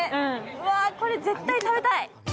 わー、これ絶対食べたい！